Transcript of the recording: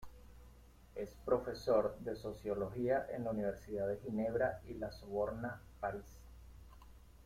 Es profesor de sociología en la Universidad de Ginebra y la Sorbona, París.